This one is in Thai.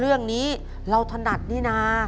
เรื่องนี้เราถนัดนี่นะ